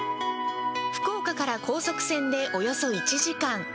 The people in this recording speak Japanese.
福岡から高速船でおよそ１時間。